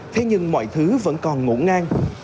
thế nhưng mọi thứ vẫn còn ngỗ ngang